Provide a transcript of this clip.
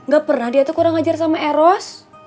gak pernah dia kurang ngajar sama eros